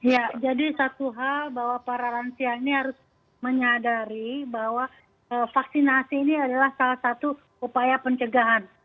ya jadi satu hal bahwa para lansia ini harus menyadari bahwa vaksinasi ini adalah salah satu upaya pencegahan